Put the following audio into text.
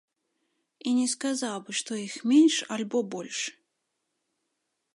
І не сказаў бы, што іх менш, альбо больш.